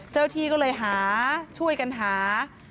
เจ้าที่ก็เลยหาช่วยกันหา